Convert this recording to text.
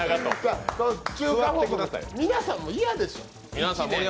皆さんも嫌でしょ。